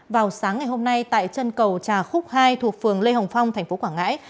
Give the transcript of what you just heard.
vào sáng ngày hôm nay tại chân cầu trà khúc hai thuộc phường lê hồng phong thành phố quảng ngãi